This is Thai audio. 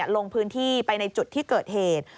ลงพื้นที่ไปในจุดที่เกิดเหตุ